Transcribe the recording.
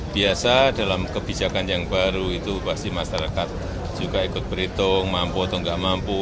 biasa dalam kebijakan yang baru itu pasti masyarakat juga ikut berhitung mampu atau nggak mampu